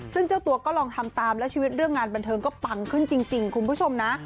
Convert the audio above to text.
ซึ่งเจ้าตัวก็ลองทำตามและชีวิตเรื่องงานบันเทิงก็ปังขึ้นจริงคุณผู้ชมนะ